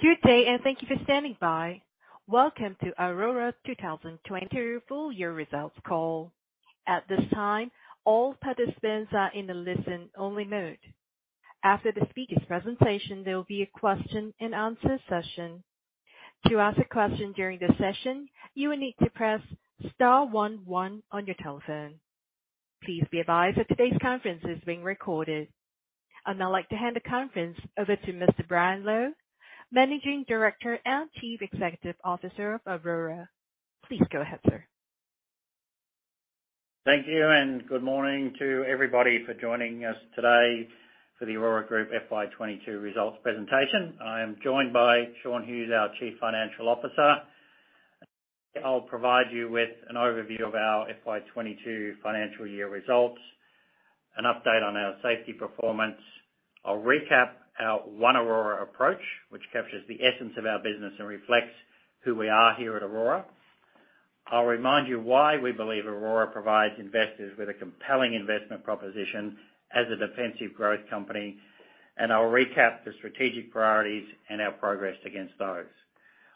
Good day, and thank you for standing by. Welcome to Orora 2022 full year results call. At this time, all participants are in a listen-only mode. After the speaker's presentation, there will be a question and answer session. To ask a question during the session, you will need to press star one one on your telephone. Please be advised that today's conference is being recorded. I'd now like to hand the conference over to Mr. Brian Lowe, Managing Director and Chief Executive Officer of Orora. Please go ahead, sir. Thank you, and good morning to everybody for joining us today for the Orora Group FY 2022 results presentation. I am joined by Shaun Hughes, our Chief Financial Officer. I'll provide you with an overview of our FY 2022 financial year results, an update on our safety performance. I'll recap our One Orora approach, which captures the essence of our business and reflects who we are here at Orora. I'll remind you why we believe Orora provides investors with a compelling investment proposition as a defensive growth company, and I'll recap the strategic priorities and our progress against those.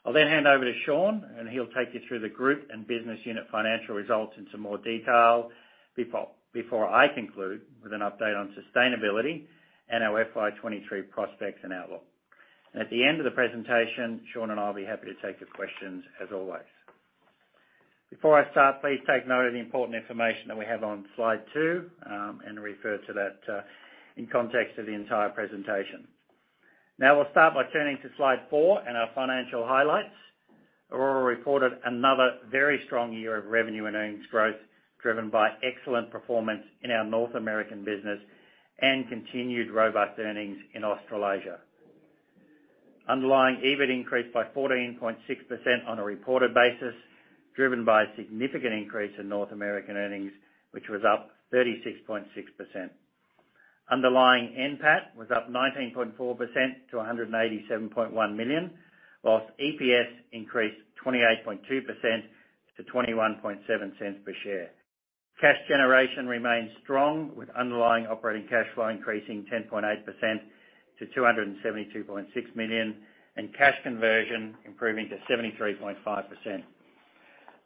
I'll then hand over to Shaun, and he'll take you through the group and business unit financial results in some more detail before I conclude with an update on sustainability and our FY 2023 prospects and outlook. At the end of the presentation, Shaun and I'll be happy to take your questions as always. Before I start, please take note of the important information that we have on slide two, and refer to that in context of the entire presentation. Now, we'll start by turning to slide four and our financial highlights. Orora reported another very strong year of revenue and earnings growth driven by excellent performance in our North American business and continued robust earnings in Australasia. Underlying EBIT increased by 14.6% on a reported basis, driven by a significant increase in North American earnings, which was up 36.6%. Underlying NPAT was up 19.4% to 187.1 million, while EPS increased 28.2% to 0.217 per share. Cash generation remains strong with underlying operating cash flow increasing 10.8% to 272.6 million and cash conversion improving to 73.5%.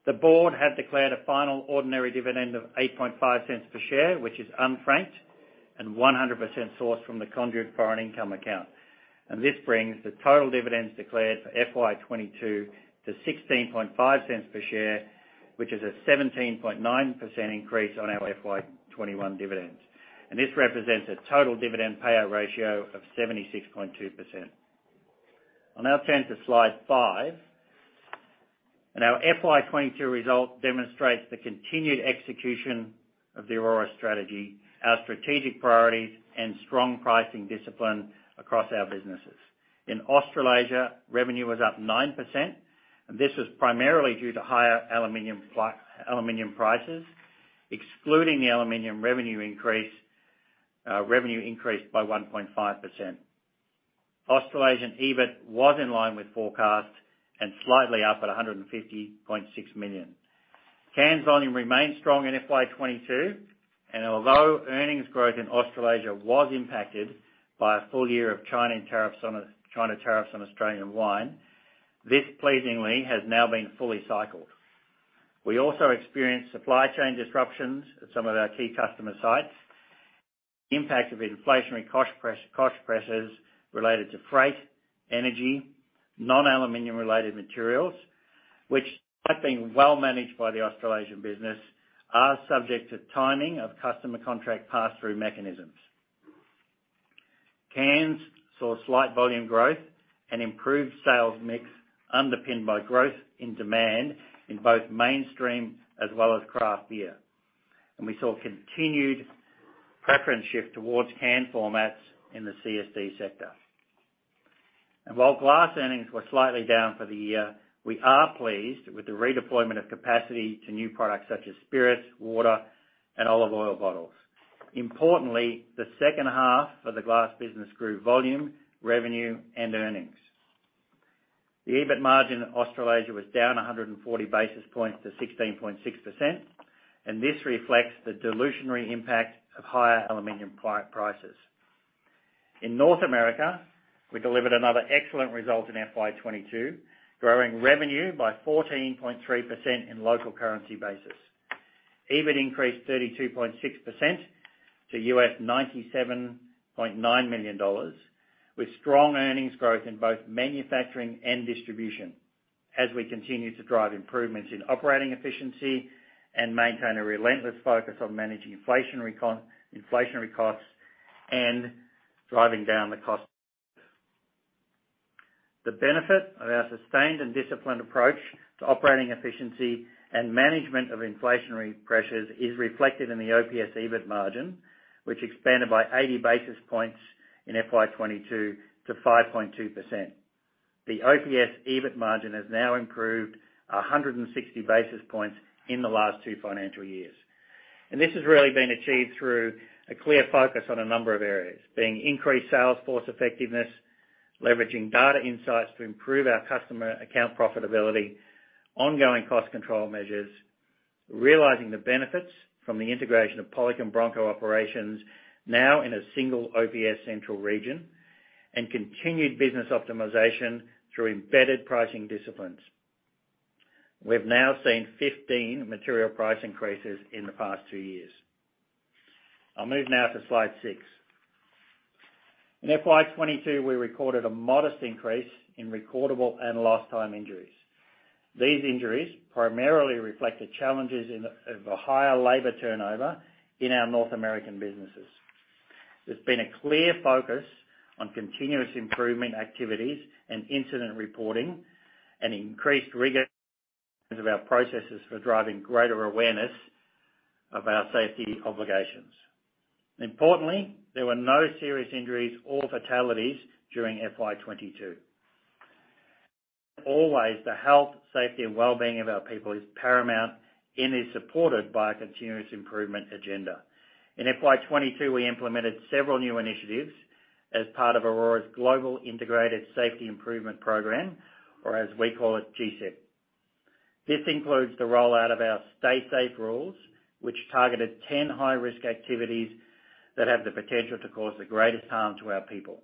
The board had declared a final ordinary dividend of 0.085 per share, which is unfranked and 100% sourced from the conduit foreign income account. This brings the total dividends declared for FY 2022 to 0.165 per share, which is a 17.9% increase on our FY 2021 dividends. This represents a total dividend payout ratio of 76.2%. I'll now turn to slide five. Our FY 2022 result demonstrates the continued execution of the Orora strategy, our strategic priorities and strong pricing discipline across our businesses. In Australasia, revenue was up 9%, and this was primarily due to higher aluminium prices. Excluding the aluminum revenue increase, revenue increased by 1.5%. Australasian EBIT was in line with forecast and slightly up at 150.6 million. Cans volume remained strong in FY 2022, and although earnings growth in Australasia was impacted by a full year of China tariffs on China tariffs on Australian wine, this pleasingly has now been fully cycled. We also experienced supply chain disruptions at some of our key customer sites. Impact of inflationary cost pressures related to freight, energy, non-aluminum related materials, which have been well managed by the Australasian business, are subject to timing of customer contract pass-through mechanisms. Cans saw slight volume growth and improved sales mix underpinned by growth in demand in both mainstream as well as craft beer. We saw continued preference shift towards can formats in the CSD sector. While glass earnings were slightly down for the year, we are pleased with the redeployment of capacity to new products such as spirits, water, and olive oil bottles. Importantly, the second half of the glass business grew volume, revenue, and earnings. The EBIT margin in Australasia was down 100 basis points to 16.6%, and this reflects the dilutory impact of higher aluminum can prices. In North America, we delivered another excellent result in FY 2022, growing revenue by 14.3% in local currency basis. EBIT increased 32.6% to $97.9 million, with strong earnings growth in both manufacturing and distribution as we continue to drive improvements in operating efficiency and maintain a relentless focus on managing inflationary costs and driving down the cost. The benefit of our sustained and disciplined approach to operating efficiency and management of inflationary pressures is reflected in the OPS EBIT margin, which expanded by 80 basis points in FY 2022 to 5.2%. The OPS EBIT margin has now improved 160 basis points in the last two financial years. This has really been achieved through a clear focus on a number of areas, being increased sales force effectiveness, leveraging data insights to improve our customer account profitability, ongoing cost control measures, realizing the benefits from the Integration of Pollock and Bronco operations now in a single OPS central region, and continued business optimization through embedded pricing disciplines. We've now seen 15 material price increases in the past two years. I'll move now to slide six. In FY 2022, we recorded a modest increase in recordable and lost time injuries. These injuries primarily reflect the challenges of a higher labor turnover in our North American businesses. There's been a clear focus on continuous improvement activities and incident reporting and increased rigor of our processes for driving greater awareness of our safety obligations. Importantly, there were no serious injuries or fatalities during FY 2022. Always, the health, safety, and well-being of our people is paramount and is supported by a continuous improvement agenda. In FY 2022, we implemented several new initiatives as part of Orora's global integrated safety improvement program, or as we call it, GSIP. This includes the rollout of our Stay Safe Rules, which targeted 10 high-risk activities that have the potential to cause the greatest harm to our people.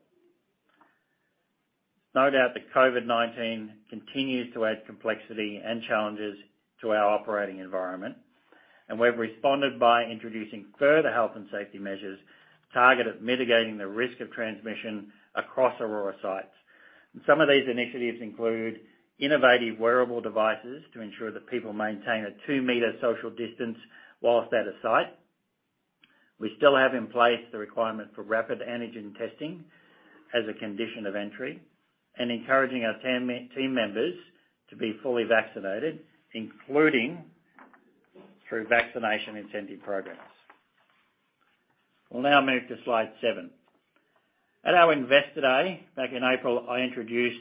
No doubt that COVID-19 continues to add complexity and challenges to our operating environment, and we've responded by introducing further health and safety measures targeted at mitigating the risk of transmission across Orora sites. Some of these initiatives include innovative wearable devices to ensure that people maintain a 2-meter social distance while at a site. We still have in place the requirement for rapid antigen testing as a condition of entry and encouraging our team members to be fully vaccinated, including through vaccination incentive programs. We'll now move to slide seven. At our Investor Day back in April, I introduced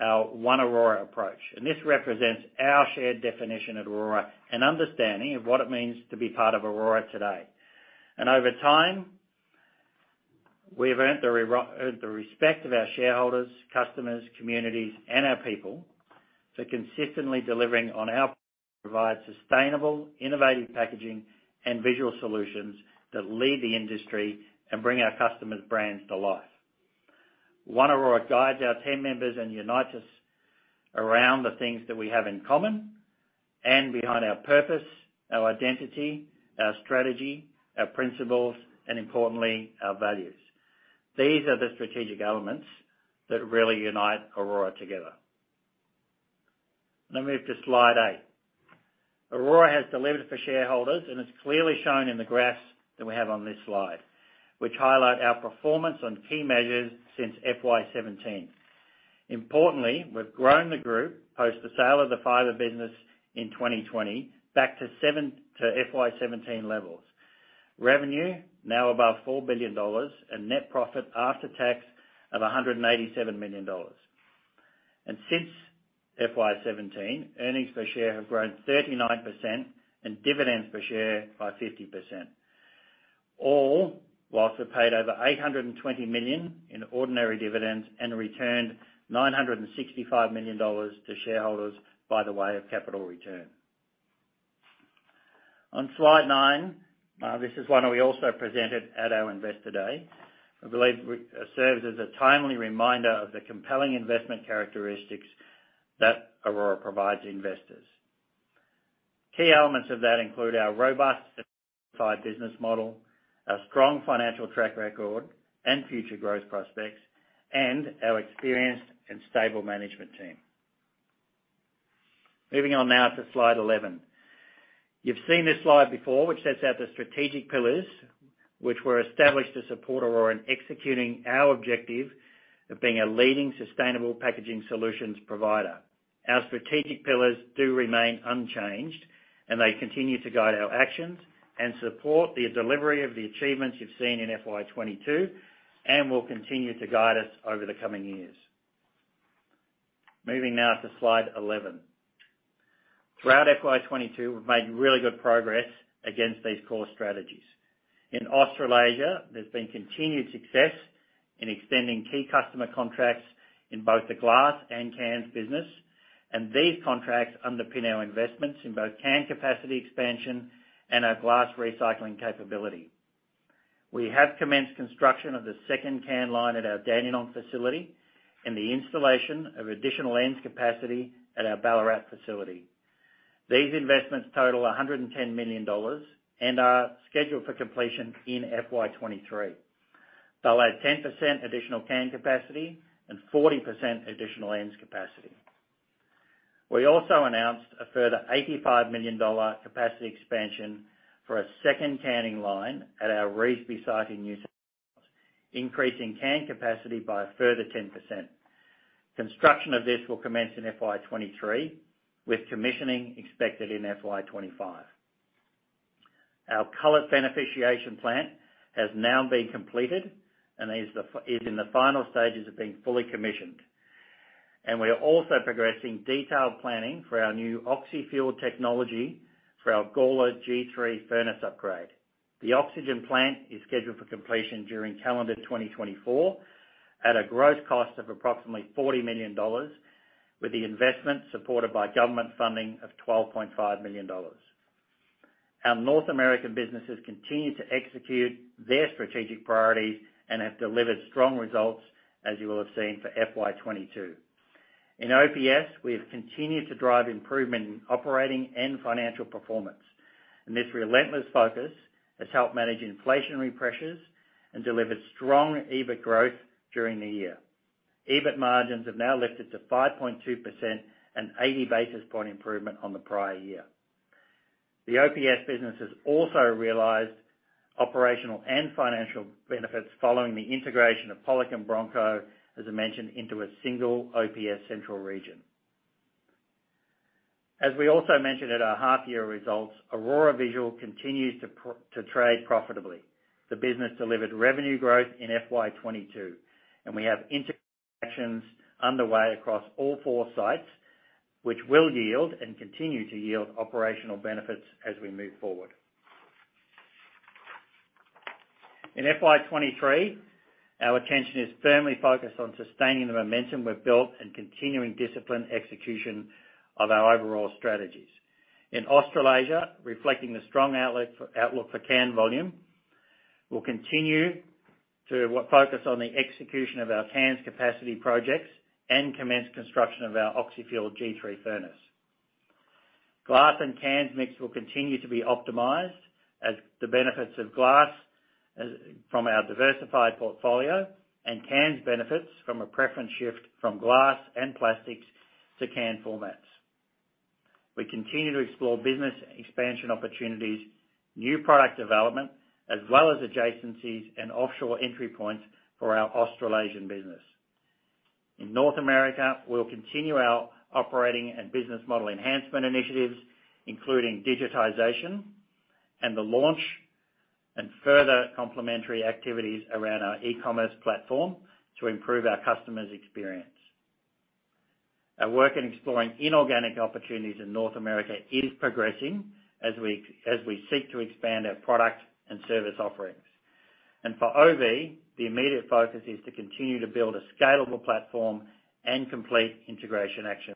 our One Orora approach, and this represents our shared definition at Orora and understanding of what it means to be part of Orora today. Over time, we've earned the respect of our shareholders, customers, communities, and our people. To consistently delivering on our promise to provide sustainable, innovative packaging and visual solutions that lead the industry and bring our customers' brands to life. One Orora Guides our team members and unites us around the things that we have in common and behind our purpose, our identity, our strategy, our principles, and importantly, our values. These are the strategic elements that really unite Orora together. Let me move to slide eight. Orora has delivered for shareholders, and it's clearly shown in the graphs that we have on this slide, which highlight our performance on key measures since FY 2017. Importantly, we've grown the group post the sale of the fiber business in 2020 back to FY 2017 levels. Revenue now above 4 billion dollars and net profit after tax of 187 million dollars. Since FY 2017, earnings per share have grown 39% and dividends per share by 50%, all while we paid over AUD 820 million in ordinary dividends and returned AUD 965 million to shareholders by way of capital return. On slide nine, this is one we also presented at our Investor Day. I believe it serves as a timely reminder of the compelling investment characteristics that Orora provides investors. Key elements of that include our robust simplified business model, our strong financial track record, and future growth prospects, and our experienced and stable management team. Moving on now to slide 11. You've seen this slide before, which sets out the strategic pillars which were established to support Orora in executing our objective of being a leading sustainable packaging solutions provider. Our strategic pillars do remain unchanged, and they continue to guide our actions and support the delivery of the achievements you've seen in FY 2022 and will continue to guide us over the coming years. Moving now to Slide 11. Throughout FY 2022, we've made really good progress against these core strategies. In Australasia, there's been continued success in extending key customer contracts in both the glass and cans business, and these contracts underpin our investments in both can capacity expansion and our glass recycling capability. We have commenced construction of the second can line at our Dandenong facility and the installation of additional ends capacity at our Ballarat facility. These investments total 110 million dollars and are scheduled for completion in FY 2023. They'll add 10% additional can capacity and 40% additional ends capacity. We also announced a further 85 million dollar capacity expansion for a second canning line at our Revesby site in New South Wales, increasing can capacity by a further 10%. Construction of this will commence in FY 2023, with commissioning expected in FY 2025. Our cullet beneficiation plant has now been completed and is in the final stages of being fully commissioned. We are also progressing detailed planning for our new oxy-fuel technology for our Gawler G3 furnace upgrade. The oxygen plant is scheduled for completion during calendar 2024 at a gross cost of approximately 40 million dollars, with the investment supported by government funding of 12.5 million dollars. Our North American businesses continue to execute their strategic priorities and have delivered strong results, as you will have seen for FY 2022. In OPS, we have continued to drive improvement in operating and financial performance, and this relentless focus has helped manage inflationary pressures and delivered strong EBIT growth during the year. EBIT margins have now lifted to 5.2%, an 80 basis point improvement on the prior year. The OPS business has also realized operational and financial benefits following the Integration of Pollock and Bronco, as I mentioned, into a single OPS central region. As we also mentioned at our half year results, Orora Visual continues to trade profitably. The business delivered revenue growth in FY 2022, and we have integrations underway across all four sites, which will yield and continue to yield operational benefits as we move forward. In FY 2023, our attention is firmly focused on sustaining the momentum we've built and continuing disciplined execution of our overall strategies. In Australasia, reflecting the strong outlook for can volume, we'll continue to focus on the execution of our cans capacity projects and commence construction of our Oxy-Fuel G3 furnace. Glass and cans mix will continue to be optimized as the benefits of glass accrue from our diversified portfolio and cans benefit from a preference shift from glass and plastics to can formats. We continue to explore business expansion opportunities, new product development, as well as adjacencies and offshore entry points for our Australasian business. In North America, we'll continue our operating and business model enhancement initiatives, including digitization and the launch and further complementary activities around our e-commerce platform to improve our customers' experience. Our work in exploring inorganic opportunities in North America is progressing as we seek to expand our product and service offerings. For OV, the immediate focus is to continue to build a scalable platform and complete integration action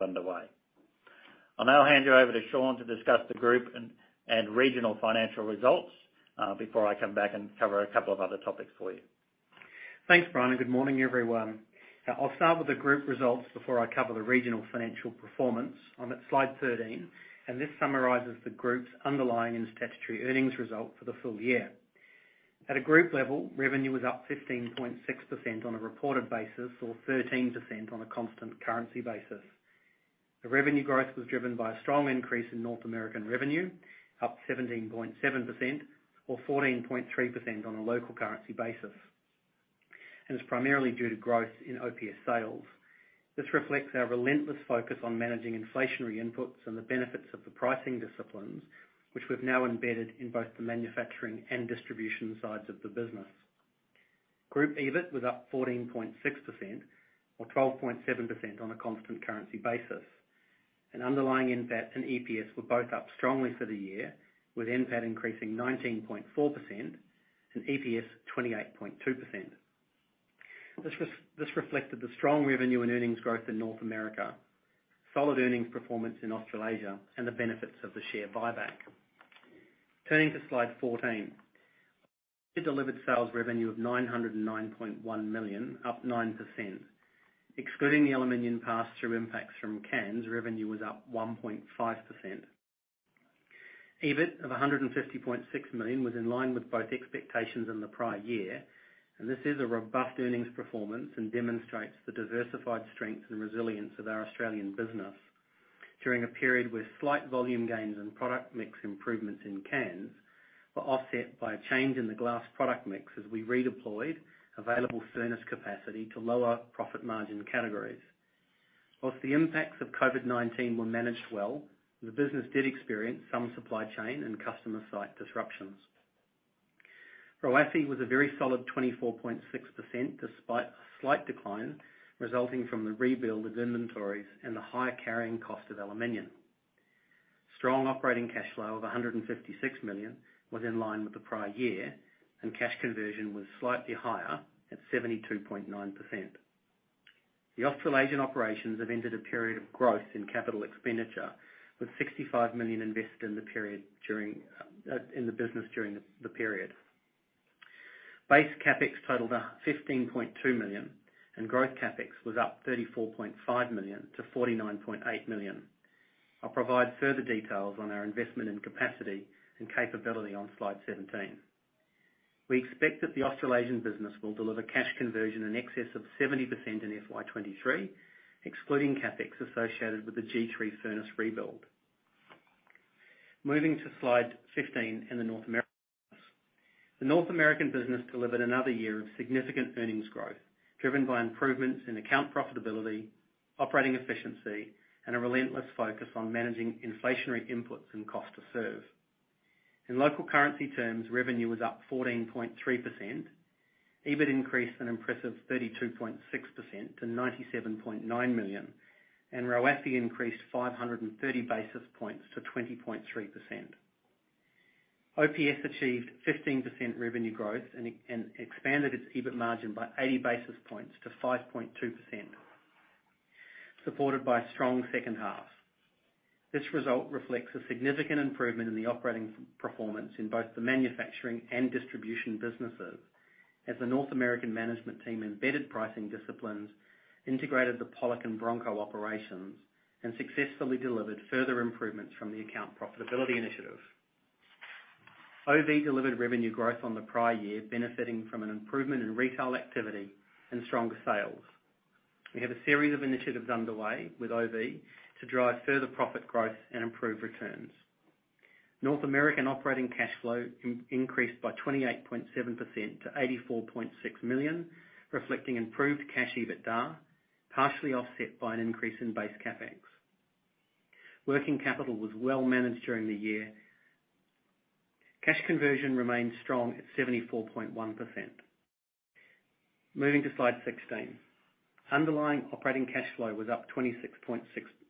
underway. I'll now hand you over to Shaun to discuss the group and regional financial results, before I come back and cover a couple of other topics for you. Thanks, Brian, and good morning, everyone. I'll start with the group results before I cover the regional financial performance. I'm at slide 13, and this summarizes the group's underlying and statutory earnings result for the full year. At a group level, revenue was up 15.6% on a reported basis or 13% on a constant currency basis. The revenue growth was driven by a strong increase in North American revenue, up 17.7% or 14.3% on a local currency basis, and it's primarily due to growth in OPS sales. This reflects our relentless focus on managing inflationary inputs and the benefits of the pricing disciplines, which we've now embedded in both the manufacturing and distribution sides of the business. Group EBIT was up 14.6% or 12.7% on a constant currency basis, and underlying NPAT and EPS were both up strongly for the year, with NPAT increasing 19.4% and EPS 28.2%. This reflected the strong revenue and earnings growth in North America, solid earnings performance in Australasia, and the benefits of the share buyback. Turning to slide 14. We delivered sales revenue of 909.1 million, up 9%. Excluding the aluminum pass-through impacts from cans, revenue was up 1.5%. EBIT of 150.6 million was in line with both expectations and the prior year, and this is a robust earnings performance and demonstrates the diversified strength and resilience of our Australian business during a period where slight volume gains and product mix improvements in cans were offset by a change in the glass product mix as we redeployed available furnace capacity to lower profit margin categories. While the impacts of COVID-19 were managed well, the business did experience some supply chain and customer site disruptions. ROACE was a very solid 24.6%, despite a slight decline resulting from the rebuild of inventories and the higher carrying cost of aluminum. Strong operating cash flow of 156 million was in line with the prior year, and cash conversion was slightly higher at 72.9%. The Australasian operations have entered a period of growth in capital expenditure with 65 million invested in the business during the period. Base CapEx totaled up 15.2 million, and growth CapEx was up 34.5 million to 49.8 million. I'll provide further details on our investment and capacity and capability on slide 17. We expect that the Australasian business will deliver cash conversion in excess of 70% in FY 2023, excluding CapEx associated with the G3 furnace rebuild. Moving to slide 15. In North America. The North American business delivered another year of significant earnings growth, driven by improvements in account profitability, operating efficiency, and a relentless focus on managing inflationary inputs and cost to serve. In local currency terms, revenue was up 14.3%. EBIT increased an impressive 32.6% to 97.9 million, and ROACE increased 530 basis points to 20.3%. OPS achieved 15% revenue growth and expanded its EBIT margin by 80 basis points to 5.2%, supported by a strong second half. This result reflects a significant improvement in the operating performance in both the manufacturing and distribution businesses, as the North American management team embedded pricing disciplines, integrated the Pollock and Bronco operations, and successfully delivered further improvements from the account profitability initiative. OV delivered revenue growth on the prior year, benefiting from an improvement in retail activity and stronger sales. We have a series of initiatives underway with OV to drive further profit growth and improve returns. North American operating cash flow increased by 28.7% to 84.6 million, reflecting improved cash EBITDA, partially offset by an increase in base CapEx. Working capital was well managed during the year. Cash conversion remained strong at 74.1%. Moving to slide 16. Underlying operating cash flow was up 26.6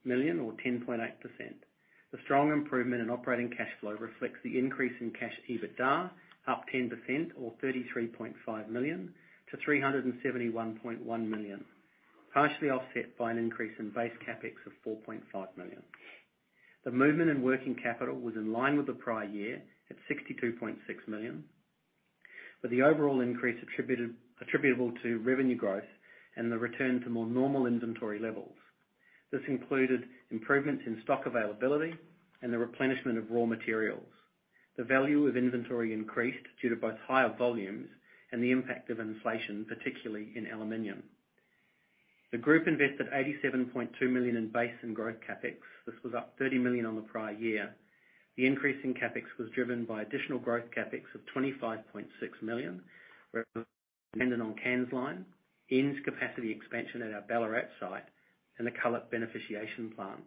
million or 10.8%. The strong improvement in operating cash flow reflects the increase in cash EBITDA, up 10% or 33.5 million to 371.1 million, partially offset by an increase in base CapEx of 4.5 million. The movement in working capital was in line with the prior year at 62.6 million, with the overall increase attributable to revenue growth and the return to more normal inventory levels. This included improvements in stock availability and the replenishment of raw materials. The value of inventory increased due to both higher volumes and the impact of inflation, particularly in aluminum. The group invested 87.2 million in base and growth CapEx. This was up 30 million on the prior year. The increase in CapEx was driven by additional growth CapEx of 25.6 million for the cans line capacity expansion at our Ballarat site, and the cullet beneficiation plant.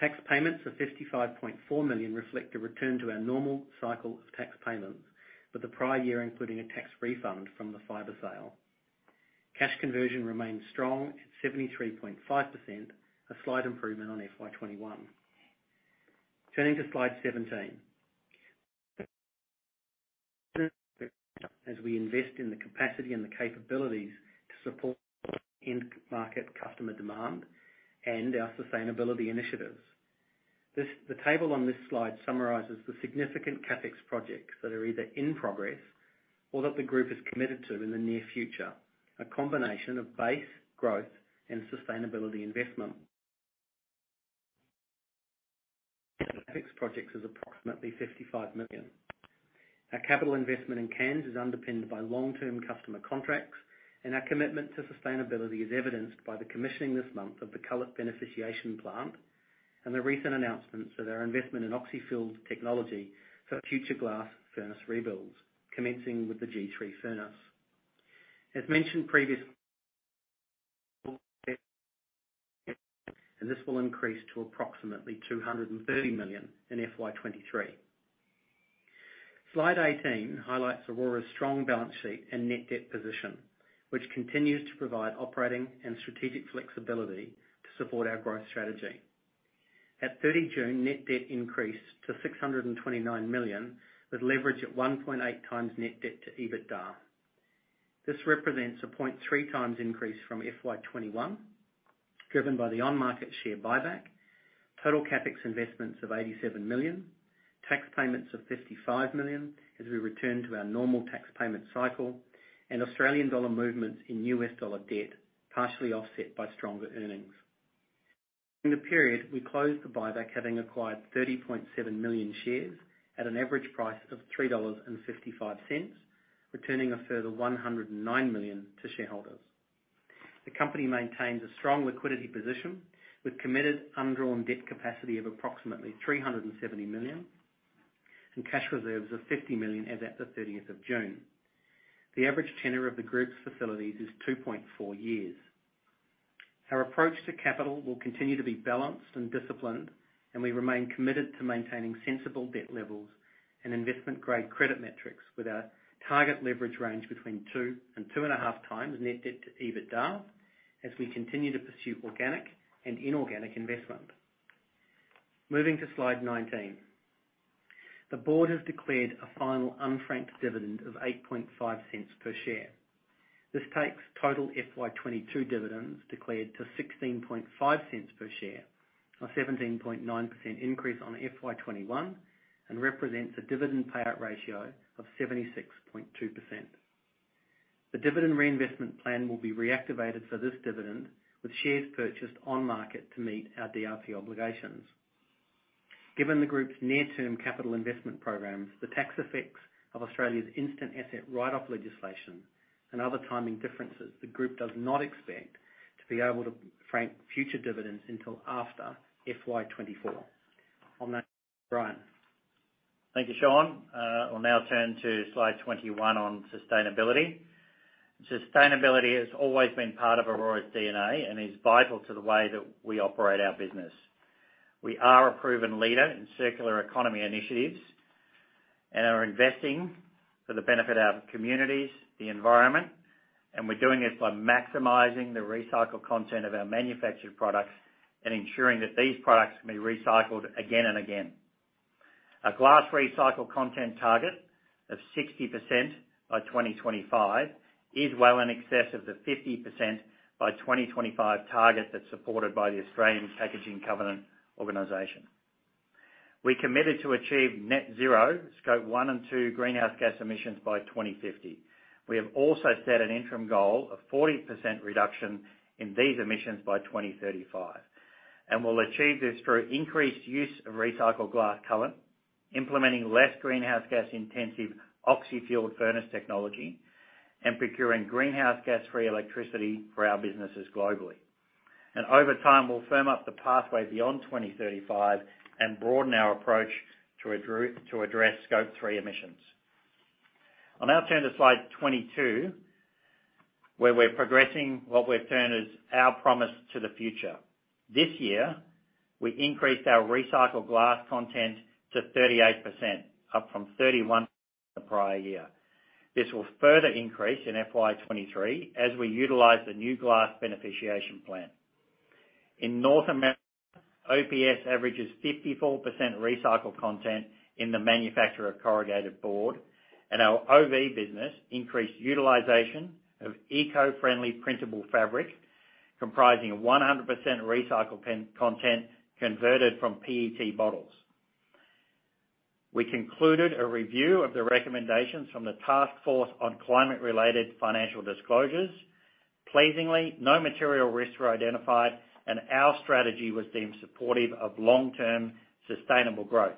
Tax payments of 55.4 million reflect a return to our normal cycle of tax payments, with the prior year including a tax refund from the fiber sale. Cash conversion remains strong at 73.5%, a slight improvement on FY 2021. Turning to slide 17. As we invest in the capacity and the capabilities to support end market customer demand and our sustainability initiatives. The table on this slide summarizes the significant CapEx projects that are either in progress or that the group is committed to in the near future, a combination of base, growth, and sustainability investment. Projects is approximately 55 million. Our capital investment in Cairns is underpinned by long-term customer contracts, and our commitment to sustainability is evidenced by the commissioning this month of the cullet beneficiation plant and the recent announcements of our investment in Oxy-Fuel technology for future glass furnace rebuilds, commencing with the G3 furnace. As mentioned previously, this will increase to approximately 230 million in FY 2023. Slide 18 highlights Orora's strong balance sheet and net debt position, which continues to provide operating and strategic flexibility to support our growth strategy. At 30 June, net debt increased to 629 million, with leverage at 1.8x net debt to EBITDA. This represents a 0.3x increase from FY 2021, driven by the on-market share buyback, total CapEx investments of 87 million, tax payments of 55 million as we return to our normal tax payment cycle, and Australian dollar movements in US dollar debt, partially offset by stronger earnings. In the period, we closed the buyback, having acquired 30.7 million shares at an average price of 3.55 dollars, returning a further 109 million to shareholders. The company maintains a strong liquidity position with committed undrawn debt capacity of approximately 370 million and cash reserves of 50 million as at the 30th of June. The average tenure of the group's facilities is 2.4 years. Our approach to capital will continue to be balanced and disciplined, and we remain committed to maintaining sensible debt levels and investment-grade credit metrics with our target leverage range between 2x and 2.5x net debt to EBITDA, as we continue to pursue organic and inorganic investment. Moving to slide 19. The board has declared a final unfranked dividend of 0.085 per share. This takes total FY 2022 dividends declared to 0.165 per share, a 17.9% increase on FY 2021, and represents a dividend payout ratio of 76.2%. The dividend reinvestment plan will be reactivated for this dividend, with shares purchased on market to meet our DRP obligations. Given the group's near-term capital investment programs, the tax effects of Australia's instant asset write-off legislation and other timing differences, the group does not expect to be able to frank future dividends until after FY 2024. On that note, Brian. Thank you, Shaun. I'll now turn to slide 21 on sustainability. Sustainability has always been part of Orora's DNA and is vital to the way that we operate our business. We are a proven leader in circular economy initiatives, and are investing for the benefit of our communities, the environment, and we're doing it by maximizing the recycled content of our manufactured products and ensuring that these products can be recycled again and again. Our glass recycled content target of 60% by 2025 is well in excess of the 50% by 2025 target that's supported by the Australian Packaging Covenant Organisation. We're committed to achieve net zero Scope one and two greenhouse gas emissions by 2050. We have also set an interim goal of 40% reduction in these emissions by 2035, and we'll achieve this through increased use of recycled glass cullet, implementing less greenhouse gas intensive Oxy-Fuel furnace technology, and procuring greenhouse gas-free electricity for our businesses globally. Over time, we'll firm up the pathway beyond 2035 and broaden our approach to address Scope three emissions. I'll now turn to slide 22, where we're progressing what we've termed as our promise to the future. This year, we increased our recycled glass content to 38%, up from 31 the prior year. This will further increase in FY 2023 as we utilize the new cullet beneficiation plant. In North America, OPS averages 54% recycled content in the manufacture of corrugated board, and our OV business increased utilization of eco-friendly printable fabric, comprising 100% recycled content converted from PET bottles. We concluded a review of the recommendations from the Task Force on Climate-Related Financial Disclosures. Pleasingly, no material risks were identified, and our strategy was deemed supportive of long-term sustainable growth.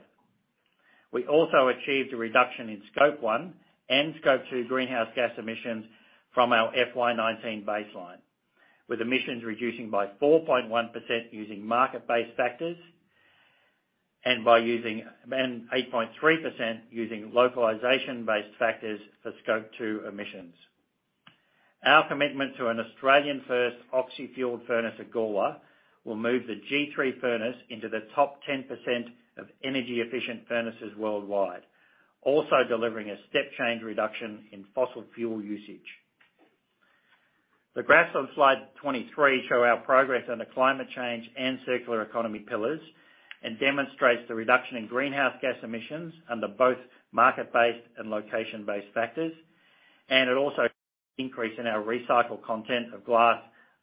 We also achieved a reduction in Scope one and Scope two greenhouse gas emissions from our FY 2019 baseline, with emissions reducing by 4.1% using market-based factors, and 8.3% using location-based factors for Scope two emissions. Our commitment to an Australian-first Oxy-Fuel furnace at Gawler will move the G3 furnace into the top 10% of energy-efficient furnaces worldwide, also delivering a step change reduction in fossil fuel usage. The graphs on slide 23 show our progress on the climate change and circular economy pillars and demonstrate the reduction in greenhouse gas emissions under both market-based and location-based factors and the increase in our recycled content of glass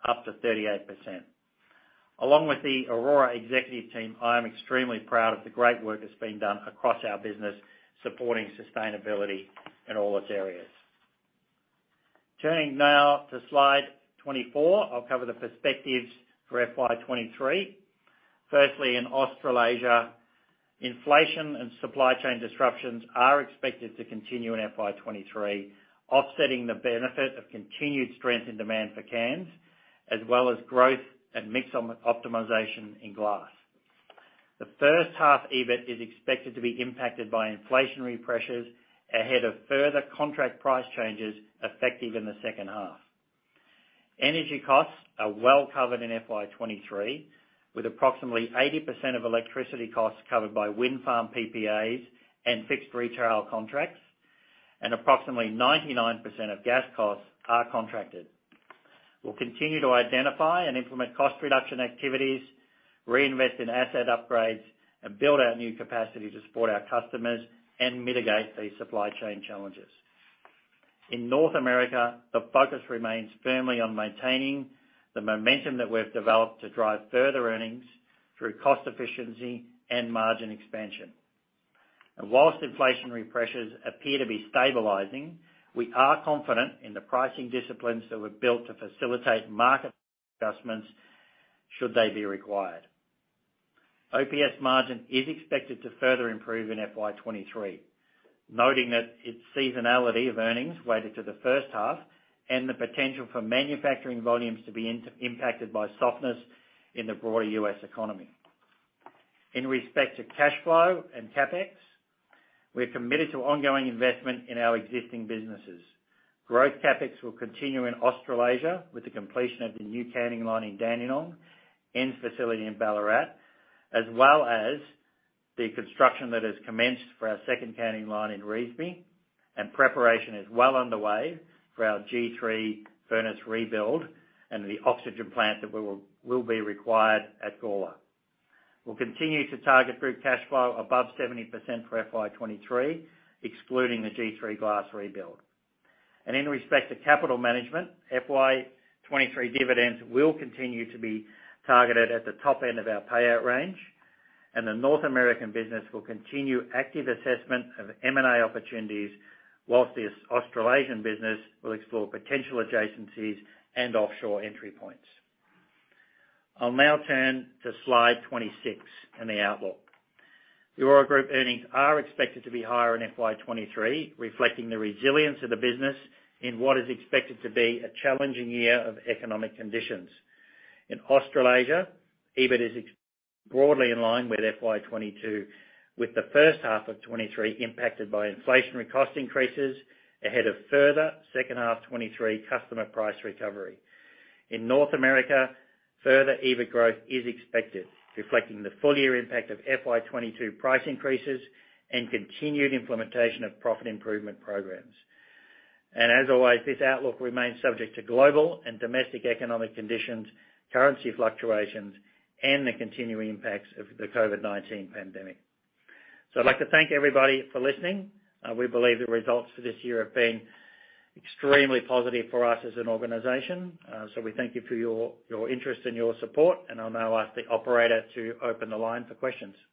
up to 38%. Along with the Orora Executive Team, I am extremely proud of the great work that's being done across our business, supporting sustainability in all its areas. Turning now to slide 24, I'll cover the prospects for FY 2023. Firstly, in Australasia, inflation and supply chain disruptions are expected to continue in FY 2023, offsetting the benefit of continued strength in demand for cans, as well as growth and mix optimization in glass. The first half EBIT is expected to be impacted by inflationary pressures ahead of further contract price changes effective in the second half. Energy costs are well covered in FY 2023, with approximately 80% of electricity costs covered by wind farm PPAs and fixed retail contracts, and approximately 99% of gas costs are contracted. We'll continue to identify and implement cost reduction activities, reinvest in asset upgrades, and build our new capacity to support our customers and mitigate these supply chain challenges. In North America, the focus remains firmly on maintaining the momentum that we've developed to drive further earnings through cost efficiency and margin expansion. While inflationary pressures appear to be stabilizing, we are confident in the pricing disciplines that were built to facilitate market adjustments should they be required. OPS margin is expected to further improve in FY 2023, noting that its seasonality of earnings weighted to the first half and the potential for manufacturing volumes to be impacted by softness in the broader U.S. economy. In respect to cash flow and CapEx, we're committed to ongoing investment in our existing businesses. Growth CapEx will continue in Australasia with the completion of the new canning line in Dandenong and facility in Ballarat, as well as the construction that has commenced for our second canning line in Revesby. Preparation is well underway for our G3 furnace rebuild and the oxygen plant that will be required at Gawler. We'll continue to target group cash flow above 70% for FY 2023, excluding the G3 glass rebuild. In respect to capital management, FY 2023 dividends will continue to be targeted at the top end of our payout range, and the North American business will continue active assessment of M&A opportunities while the Australasian business will explore potential adjacencies and offshore entry points. I'll now turn to slide 26 and the outlook. Orora Group earnings are expected to be higher in FY 2023, reflecting the resilience of the business in what is expected to be a challenging year of economic conditions. In Australasia, EBIT is broadly in line with FY 2022, with the first half of 2023 impacted by inflationary cost increases ahead of further second half 2023 customer price recovery. In North America, further EBIT growth is expected, reflecting the full-year impact of FY 2022 price increases and continued implementation of profit improvement programs. As always, this outlook remains subject to global and domestic economic conditions, currency fluctuations, and the continuing impacts of the COVID-19 pandemic. I'd like to thank everybody for listening. We believe the results for this year have been extremely positive for us as an organization. We thank you for your interest and your support. I'll now ask the operator to open the line for questions.